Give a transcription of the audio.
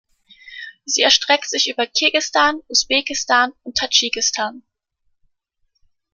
Sie erstreckt sich über Kirgisistan, Usbekistan und Tadschikistan.